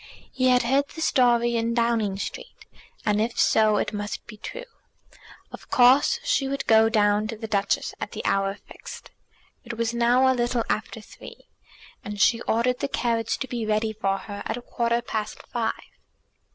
He had heard the story in Downing Street, and if so it must be true. Of course she would go down to the Duchess at the hour fixed. It was now a little after three, and she ordered the carriage to be ready for her at a quarter past five.